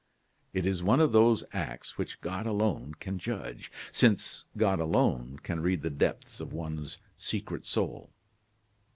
"It is one of those acts which God alone can judge, since God alone can read the depths of one's secret soul.